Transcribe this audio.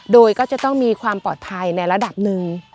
โดยก็จะต้องมีความปลอดภัยในระดับหนึ่ง